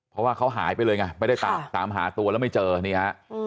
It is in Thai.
เพราะว่าเขาหายไปเลยไงไม่ได้ตามตามหาตัวแล้วไม่เจอนี่ฮะ